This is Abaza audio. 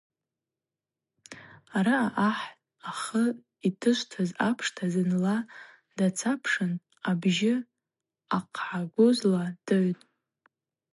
Араъа ахӏ ахы йтышвтыз апшта зынла дацапшын абжьы ахьъагӏагузла дыгӏвтӏ.